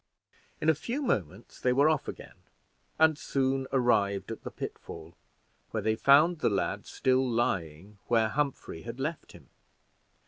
In a few moments they were off again, and soon arrived at the pitfall, where they found the lad, still lying where Humphrey had left him.